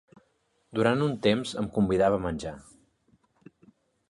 Durant un temps em convidava a menjar.